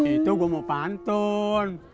itu gue mau pantun